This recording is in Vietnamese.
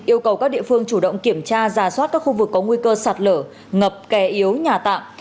yêu cầu các địa phương chủ động kiểm tra giả soát các khu vực có nguy cơ sạt lở ngập kè yếu nhà tạm